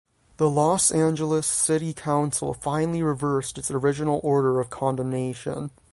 The Los Angeles City Council finally reversed its original order of condemnation.